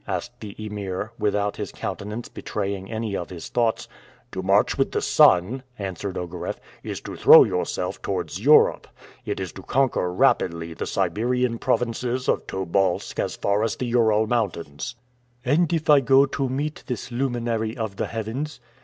asked the Emir, without his countenance betraying any of his thoughts. "To march with the sun," answered Ogareff, "is to throw yourself towards Europe; it is to conquer rapidly the Siberian provinces of Tobolsk as far as the Ural Mountains." "And if I go to meet this luminary of the heavens?"